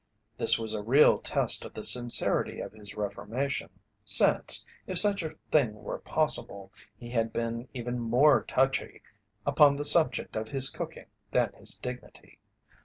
This was a real test of the sincerity of his reformation since, if such a thing were possible, he had been even more "touchy" upon the subject of his cooking than his dignity.